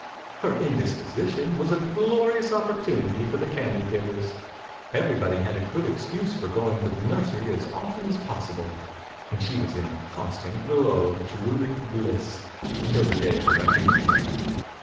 •4^h^i^%J.'indisposition was a glori ;^* i^iiiSi. i3 jfportunity for the candy v;^if^rfy Everybody had a good "vl^xcjiisife for going to the nursery as ■foftc^Pas possible, and she was in ]a coii&tant glow of cherubic bliss, uritil the day of reckoning came.